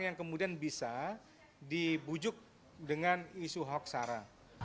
yang kemudian bisa dibujuk dengan isu hoksara